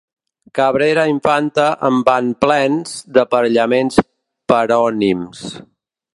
Cabrera Infante en van plens, d'aparellaments parònims.